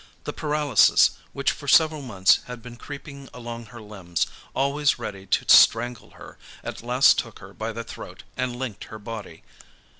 The paralysis, which for several months had been creeping along her limbs, always ready to strangle her, at last took her by the throat and linked her body.